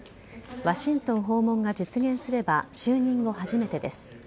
ワシントン訪問が実現すれば就任後初めてです。